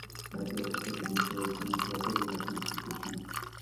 La plaza se conoce hoy como Plaza de La Constitución.